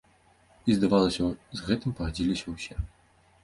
І, здавалася, з гэтым пагадзіліся ўсе.